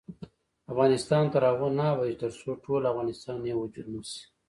افغانستان تر هغو نه ابادیږي، ترڅو ټول افغانان یو وجود نشي.